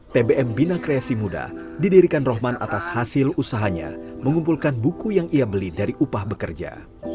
tbm bina kreasi muda didirikan rohman atas hasil usahanya mengumpulkan buku yang ia beli dari upah bekerja